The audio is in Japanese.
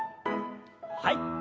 はい。